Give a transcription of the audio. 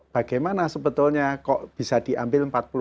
bagaimana sebetulnya kok bisa diambil